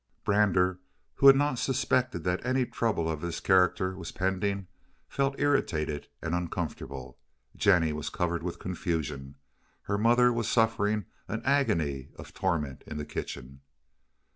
Brander, who had not suspected that any trouble of this character was pending, felt irritated and uncomfortable. Jennie was covered with confusion. Her mother was suffering an agony of torment in the kitchen.